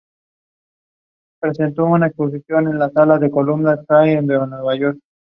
He previously played for the Houston Astros.